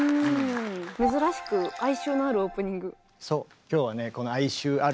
珍しく哀愁のあるオープニング。